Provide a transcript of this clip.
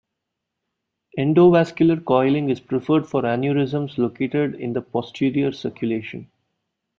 Endovascular coiling is preferred for aneurysms located in the posterior circulation.